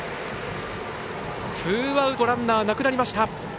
ツーアウトランナーなくなりました。